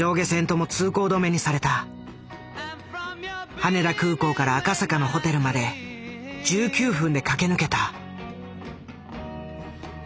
羽田空港から赤坂のホテルまで１９分で駆け抜けた。